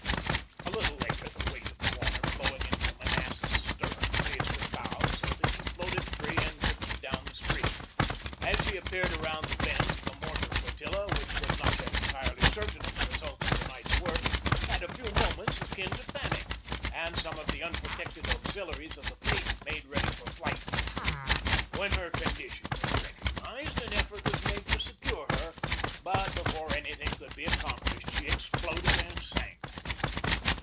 A little later the weight of the water flowing into the Manassas' 's stern raised her bow so that she floated free and drifted down the stream. As she appeared around the bend the mortar flotilla, which THE BATTLE OF NEW ORLEANS 71 was not yet entirely certain of the result of the night's work, had a few moments akin to panic, and some of the unprotected auxiliaries of the fleet made ready for flight. When her condition was recog nized an effort was made to secure her, but before anything could be accomplished she exploded and sank.